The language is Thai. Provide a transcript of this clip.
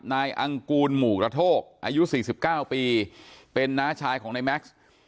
อังกูลหมู่กระโทกอายุ๔๙ปีเป็นน้าชายของนายแม็กซ์